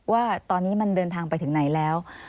ว่าตอนนี้มันเดินทางไปถึงไหนแล้ว